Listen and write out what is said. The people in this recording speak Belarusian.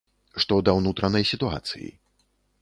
Што да ўнутранай сітуацыі.